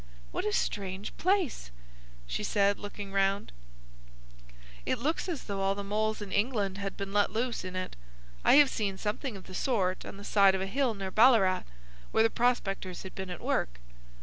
"What a strange place!" she said, looking round. "It looks as though all the moles in England had been let loose in it. I have seen something of the sort on the side of a hill near Ballarat, where the prospectors had been at work."